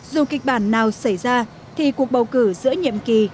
dù kịch bản nào xảy ra thì cuộc bầu cử giữa nhiệm kỳ